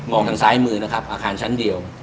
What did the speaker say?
ทางซ้ายมือนะครับอาคารชั้นเดียว